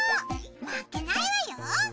負けないわよ。